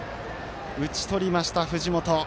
打ち取りました、藤本。